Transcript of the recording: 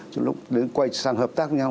từ lúc đến quay sang hợp tác với nhau